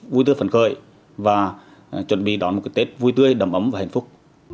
vui tươi phần khơi và chuẩn bị đón một tết vui tươi đầm ấm và hạnh phúc